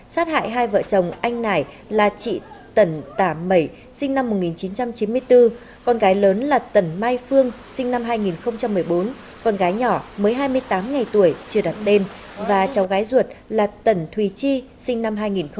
sát hại hai vợ chồng anh nải là chị tần tả mẩy sinh năm một nghìn chín trăm chín mươi bốn con gái lớn là tần mai phương sinh năm hai nghìn một mươi bốn con gái nhỏ mới hai mươi tám ngày tuổi chưa đặt đêm và cháu gái ruột là tần thùy chi sinh năm hai nghìn một mươi